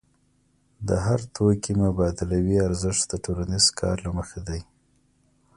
د هر توکي مبادلوي ارزښت د ټولنیز کار له مخې دی.